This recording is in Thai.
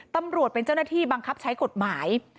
ตำรวจเป็นเจ้าหน้าที่บังคับใช้กฎหมาย